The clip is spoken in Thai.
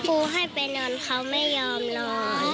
ครูให้ไปนอนเขาไม่ยอมนอน